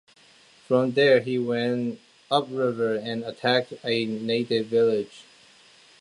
From there he went upriver and attacked a native village.